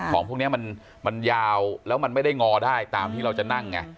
ของพวกนี้มันยาวแล้วมันไม่ได้งอได้ตามที่เราจะนั่งไง